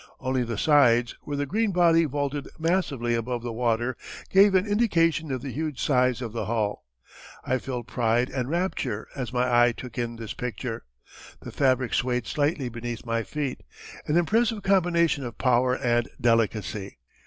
Only the sides, where the green body vaulted massively above the water, gave an indication of the huge size of the hull. I felt pride and rapture as my eye took in this picture. The fabric swayed slightly beneath my feet an impressive combination of power and delicacy.